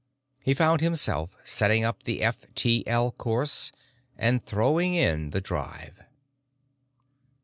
He found himself setting up the F T L course and throwing in the drive.